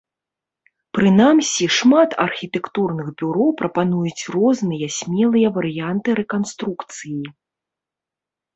Прынамсі, шмат архітэктурных бюро прапануюць розныя смелыя варыянты рэканструкцыі.